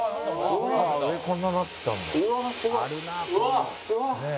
「上こんななってたんだ」